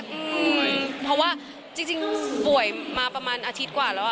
อืมเพราะว่าจริงจริงป่วยมาประมาณอาทิตย์กว่าแล้วอ่ะ